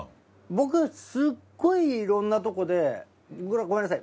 僕すごいいろんなとこでこれはごめんなさい。